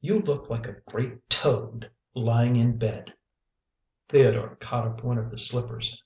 You look like a great toad lying in bed." Theodore caught up one of his slippers.